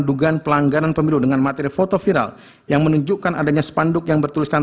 dugaan pelanggaran pemilu dengan materi foto viral yang menunjukkan adanya spanduk yang bertuliskan